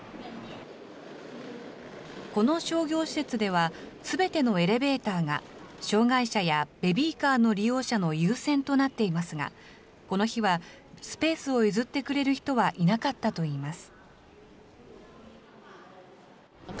この商業施設ではすべてのエレベーターが障害者やベビーカーの利用者の優先となっていますが、この日はスペースを譲ってくれる人はいなかったといいます。